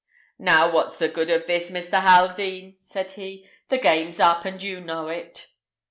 "Now, what's the good of this, Mr. Haldean?" said he. "The game's up, and you know it."